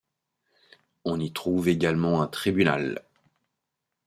On y trouve également un tribunal.